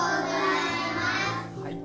はい。